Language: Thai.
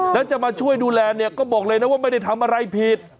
แล้วจะมาช่วยดูแลเนี่ยก็บอกเลยนะว่าไม่ได้ทำอะไรผิด